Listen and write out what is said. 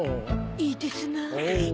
いいですな。